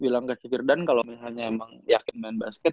bilang ke si firdan kalo misalnya emang yakin main basket